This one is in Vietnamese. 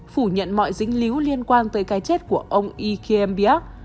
phủ nhận mọi dính líu liên quan tới cái chết của ông ikembiak